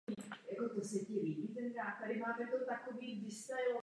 Tedy příslušníkům hypotetické paralelní pozemské civilizace.